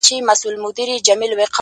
چي يو ځل بيا څوک په واه ‘واه سي راته’